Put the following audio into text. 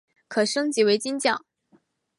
可升级为金将。